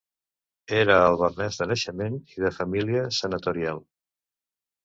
Era alvernès de naixement i de família senatorial.